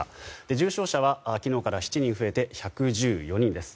重症者は昨日から７人増えて１１４人です。